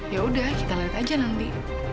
ya sudah kita lihat saja nanti